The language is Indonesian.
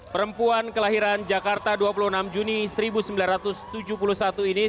perempuan kelahiran jakarta dua puluh enam juni seribu sembilan ratus tujuh puluh satu ini